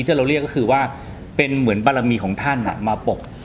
ที่เราเรียกก็คือว่าเป็นเหมือนบารมีของท่านมาปก